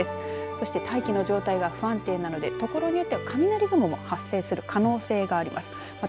そして大気の状態が不安定なのでところによっては雷雲も発生する可能性があります。